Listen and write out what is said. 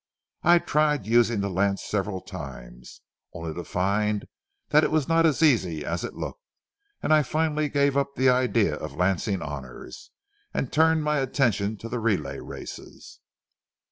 I tried using the lance several times, only to find that it was not as easy as it looked, and I finally gave up the idea of lancing honors, and turned my attention to the relay races.